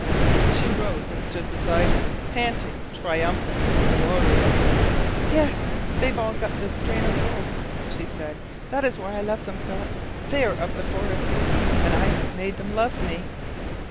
She rose and stood beside him, panting, triumphant, glorious. "Yes they've all got the strain of wolf," she said. "That is why I love them, Philip. They are of the forests. AND I HAVE MADE THEM LOVE ME!"